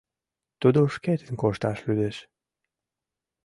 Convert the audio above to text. Тудо шкетын кошташ лӱдеш.